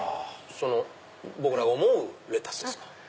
僕らが思うレタスですか？